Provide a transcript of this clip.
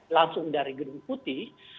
langsung dari gedung putih